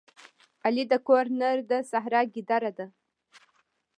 علي د کور نر د سحرا ګیدړه ده.